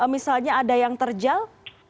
misalnya ada yang terjal